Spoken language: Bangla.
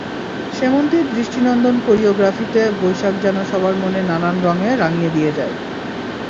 সেমন্তীর দৃষ্টিনন্দন কোরিওগ্রাফিতে বৈশাখ যেন সবার মনে নানান রংয়ে রাঙিয়ে দিয়ে যায়।